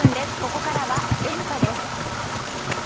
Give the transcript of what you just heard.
ここからはエンタ！です。